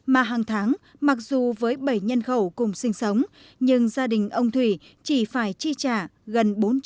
mà hàng tháng mặc dù với bảy nhân khẩu cùng sinh sống nhưng gia đình ông thủy chỉ phải chi trả gần